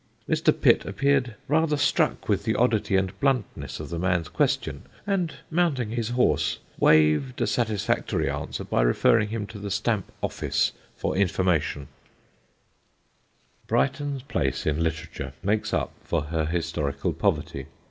Mr. Pitt appeared rather struck with the oddity and bluntness of the man's question, and, mounting his horse, waived a satisfactory answer by referring him to the Stamp Office for information." [Sidenote: DR. JOHNSON IN THE SEA] Brighton's place in literature makes up for her historical poverty.